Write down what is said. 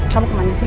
kamu kemana sih